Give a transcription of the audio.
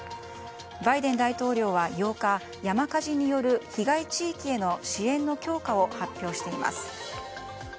バイデン大統領は８日山火事による被害地域への支援の強化を発表しています。